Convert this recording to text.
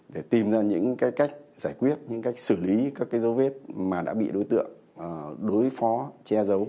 để tìm ra những cái cách giải quyết những cách xử lý các cái dấu vết mà đã bị đối tượng đối phó che giấu